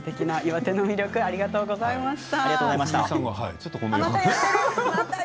先取り情報ありがとうございました。